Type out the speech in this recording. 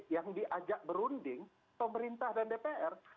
yang diajak berunding pemerintah dan dpr